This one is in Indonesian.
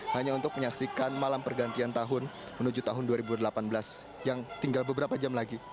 hanya untuk menyaksikan malam pergantian tahun menuju tahun dua ribu delapan belas yang tinggal beberapa jam lagi